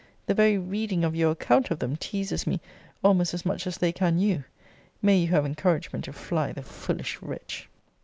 The very reading of your account of them teases me almost as much as they can you. May you have encouragement to fly the foolish wretch!